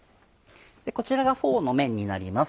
こちらがフォーの麺になります。